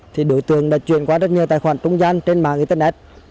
thì đối tượng đã chuyển qua rất nhiều tài khoản trung gian trên mạng internet